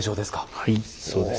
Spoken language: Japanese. はいそうです。